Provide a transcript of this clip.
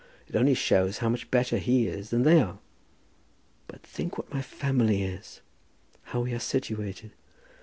It only shows how much better he is than they are." "But think what my family is, how we are situated.